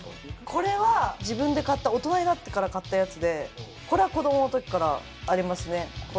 これは自分で大人になって買ったやつで、これは子供の時からありますね。